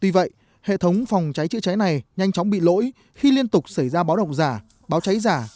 vì vậy hệ thống phòng cháy chữa cháy này nhanh chóng bị lỗi khi liên tục xảy ra báo độc giả báo cháy giả